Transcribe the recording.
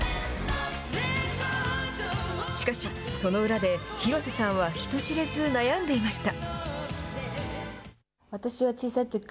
しかしその裏で、広瀬さんは人知れず悩んでいました。